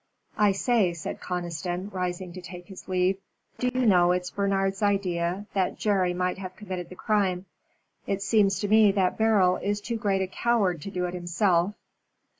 "I say," said Conniston, rising to take his leave, "do you know it's Bernard's idea that Jerry might have committed the crime. It seems to me that Beryl is too great a coward to do it himself."